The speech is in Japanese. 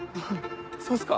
そうっすか。